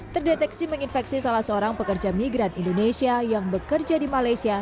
terdeteksi menginfeksi salah seorang pekerja migran indonesia yang bekerja di malaysia